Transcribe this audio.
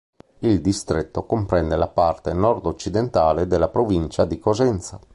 Il distretto comprende la parte nord-occidentale della provincia di Cosenza.